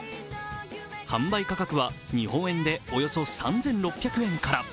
販売価格は日本円でおよそ３６００円から。